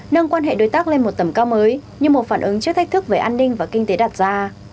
nâng quan hệ đối tác lên một tầm cao mới như một phản ứng trước thách thức về an ninh và kinh tế đạt ra